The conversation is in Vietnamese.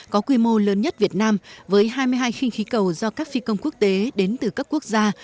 có quy mô lớn nhất việt nam với hai mươi hai khinh khí cầu do các phi công quốc tế đến từ các quốc gia